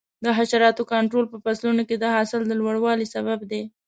د حشراتو کنټرول په فصلونو کې د حاصل د لوړوالي سبب دی.